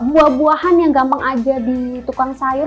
buah buahan yang gampang aja di tukang sayur